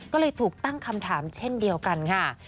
ก็เลยถูกตั้งคำถามเช่นเดียวกันค่ะ